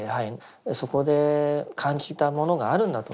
そこで感じたものがあるんだと思うんです。